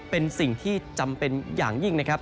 เป็นสิ่งที่จำเป็นอย่างยิ่งนะครับ